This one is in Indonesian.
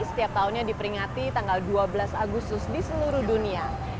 setiap tahunnya diperingati tanggal dua belas agustus di seluruh dunia